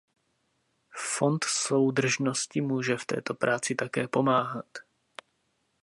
Fond soudržnosti může v této práci také pomáhat.